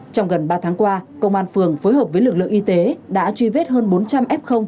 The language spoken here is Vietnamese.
trong gần ba tháng qua công an phường phối hợp với lực lượng y tế đã truy vết hơn bốn trăm linh f